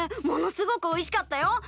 ものすごくおいしかったよ。